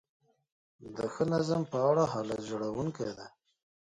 د ښه نظم په اړه حالت ژړونکی دی.